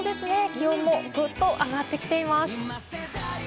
気温もぐっと上がってきています。